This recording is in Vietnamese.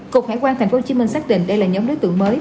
cục hải quan tp hcm xác định đây là nhóm đối tượng mới